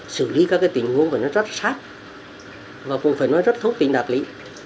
xử lý các cái tình huống của nó rất sát và cũng phải nói rất thốt tình đạt lý